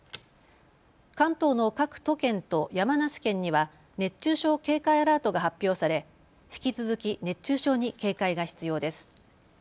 関東の各都県と山梨県には熱中症警戒アラートが発表され引き続き熱中症に警戒が必要です。